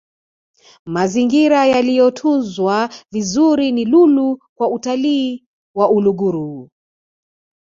mazingira yaliyotunzwa vizuri ni lulu kwa utalii wa uluguru